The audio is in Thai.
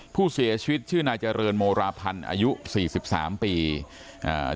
ผู้เสียชีวิตชื่อนายเจริญโมราพันธ์อายุสี่สิบสามปีอ่า